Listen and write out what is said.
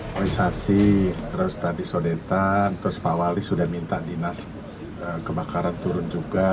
sosialisasi terus tadi sodetan terus pak wali sudah minta dinas kebakaran turun juga